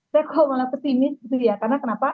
saya kok malah pesimis gitu ya karena kenapa